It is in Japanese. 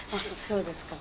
そうですか。